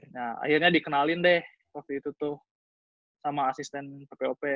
nah akhirnya dikenalin deh waktu itu tuh sama asisten ppop